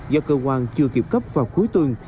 do cơ quan chưa kịp cấp vào cuối tuần